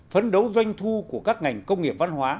phấn đấu doanh thu của các ngành công nghiệp văn hóa